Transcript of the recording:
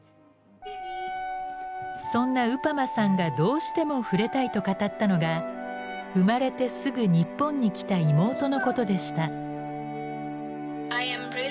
そんなウパマさんがどうしても触れたいと語ったのが生まれてすぐ日本に来た妹のことでした。